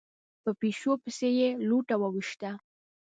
په پيشو پسې يې لوټه وويشته.